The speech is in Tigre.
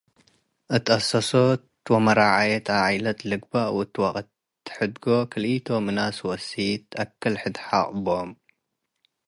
እት አሰሶት ወመራዐየት ዓኢለት ልግበእ ወ ወቅት ሕድጎ ክልኢቶም እናስ ወእሲት አክልሕድ ሐቅ ቦም።